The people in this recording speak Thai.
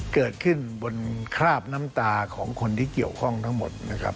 เกิดขึ้นบนคราบน้ำตาของคนที่เกี่ยวข้องทั้งหมดนะครับ